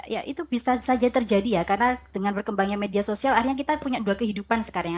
ya itu bisa saja terjadi ya karena dengan berkembangnya media sosial akhirnya kita punya dua kehidupan sekarang